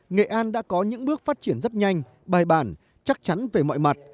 nghệ an đã có những bước phát triển rất nhanh bài bản chắc chắn về mọi mặt